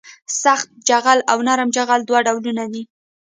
سخت جغل او نرم جغل دوه ډولونه دي